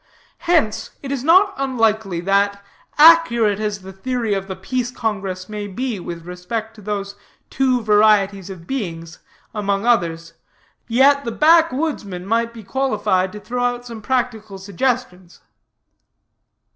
Hence, it is not unlikely that, accurate as the theory of the Peace Congress may be with respect to those two varieties of beings, among others, yet the backwoodsman might be qualified to throw out some practical suggestions.